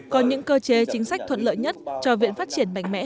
có những cơ chế chính sách thuận lợi nhất cho viện phát triển mạnh mẽ hơn nữa